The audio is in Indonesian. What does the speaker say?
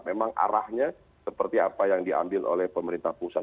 memang arahnya seperti apa yang diambil oleh pemerintah pusat